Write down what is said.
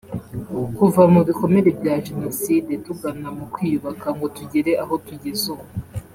Kuva mu bikomere bya Jenoside tugana mu kwiyubaka ngo tugere aho tugeze ubu